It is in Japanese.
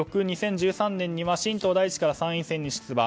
翌２０１３年には新党大地から参院選に出馬。